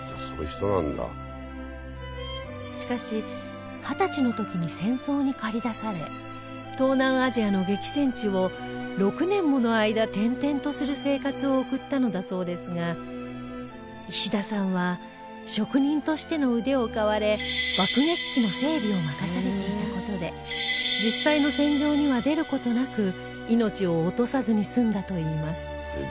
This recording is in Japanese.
しかし二十歳の時に戦争に駆り出され東南アジアの激戦地を６年もの間転々とする生活を送ったのだそうですが石田さんは職人としての腕を買われ爆撃機の整備を任されていた事で実際の戦場には出る事なく命を落とさずに済んだといいます